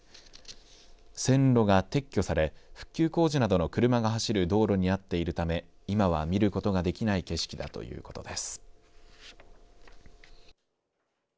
線路が撤去され復旧工事などの車が走る道路になっているため今は見ることができない景色だということです。